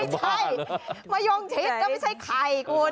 ใช่มะยงชิดก็ไม่ใช่ไข่คุณ